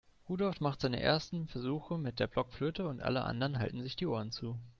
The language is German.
Rudolf macht seine ersten Versuche mit der Blockflöte und alle anderen halten sich die Ohren zu.